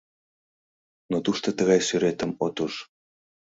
Но тушто тыгай сӱретым от уж.